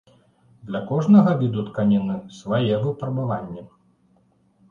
Для кожнага віду тканіны свае выпрабаванні.